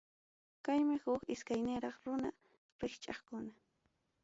Kaymi huk iskayniraq runa rikchaqkuna.